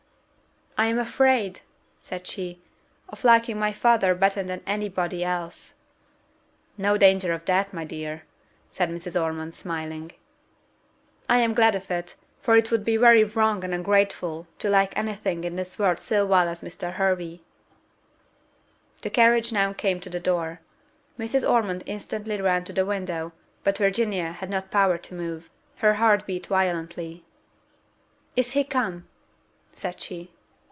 "I am afraid," said she, "of liking my father better than any body else." "No danger of that, my dear," said Mrs. Ormond, smiling. "I am glad of it, for it would be very wrong and ungrateful to like any thing in this world so well as Mr. Hervey." The carriage now came to the door: Mrs. Ormond instantly ran to the window, but Virginia had not power to move her heart beat violently. "Is he come?" said she.